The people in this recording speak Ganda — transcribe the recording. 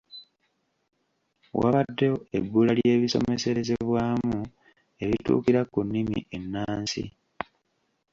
Wabaddewo ebbula ly’ebisomeserezebwamu ebituukira ku nnimi ennansi.